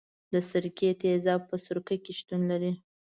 د سرکې تیزاب په سرکه کې شتون لري.